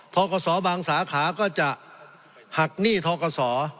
กศบางสาขาก็จะหักหนี้ทกศ